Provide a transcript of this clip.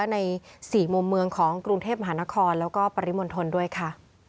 ใน๔มุมเมืองของกรุงเทพมหานครแล้วก็ปริมณฑลด้วยค่ะ